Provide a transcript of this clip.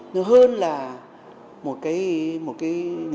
nó hơn là một cái